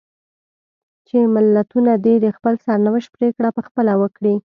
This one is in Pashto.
چې ملتونه دې د خپل سرنوشت پرېکړه په خپله وکړي.